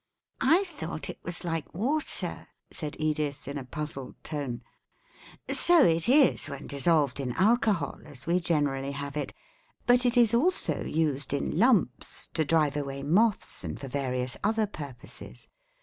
"I thought it was like water," said Edith, in a puzzled tone. "So it is when dissolved in alcohol, as we generally have it; but it is also used in lumps to drive away moths and for various other purposes.